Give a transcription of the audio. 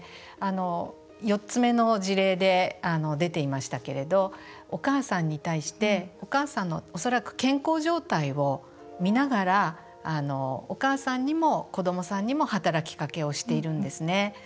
４つ目の事例で出ていましたけれどお母さんに対して、お母さんの恐らく健康状態を見ながらお母さんにも子どもさんにも働きかけをしているんですね。